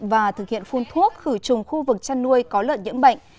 và thực hiện phun thuốc khử trùng khu vực chăn nuôi có lợn nhiễm bệnh